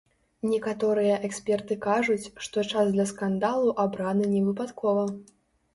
Некаторыя эксперты кажуць, што час для скандалу абраны не выпадкова.